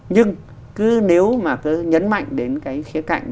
nhưng cứ nếu mà cứ nhấn mạnh đến cái khía cạnh